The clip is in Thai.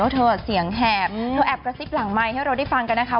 เธอแอบกระซิบหลังไมค์ให้เราได้ได้ฟังนะครับ